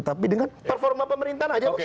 tapi dengan performa pemerintahan aja